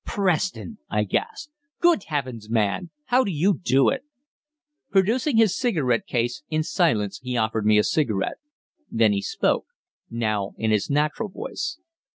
"Preston!" I gasped. "Good heavens, man, how do you do it?" Producing his cigarette case, in silence he offered me a cigarette. Then he spoke now in his natural voice.